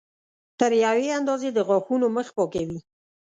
تر یوې اندازې د غاښونو مخ پاکوي.